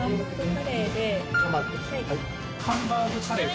ハンバーグカレーで。